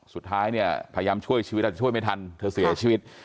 สุดท้ายเนี่ยพยายามช่วยชีวิตแต่ช่วยไม่ทันเธอเสียชีวิต